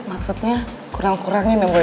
maksudnya kurang kurangnya ya boy ya